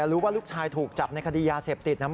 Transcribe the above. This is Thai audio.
รู้ว่าลูกชายถูกจับในคดียาเสพติดนะ